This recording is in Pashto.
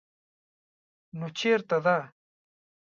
_نو چېرته ده؟